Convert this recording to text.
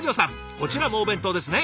こちらもお弁当ですね。